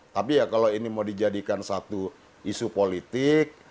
tapi ya kalau ini mau dijadikan satu isu politik